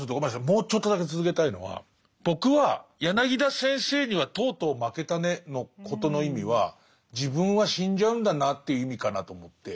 もうちょっとだけ続けたいのは僕は柳田先生にはとうとう負けたねのことの意味は自分は死んじゃうんだなという意味かなと思って。